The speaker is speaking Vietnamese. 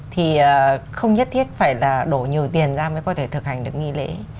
thì không nhất thiết phải là đổ nhiều tiền ra mới có thể thực hành được nghi lễ